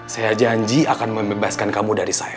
saya janji akan membebaskan kamu dari saya